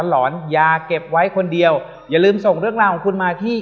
หลอนอย่าเก็บไว้คนเดียวอย่าลืมส่งเรื่องราวของคุณมาที่